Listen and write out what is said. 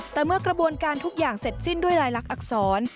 แต่เมื่อกระบวนการทุกอย่างเสร็จสิ้นด้วยลายลักษณ์อักษร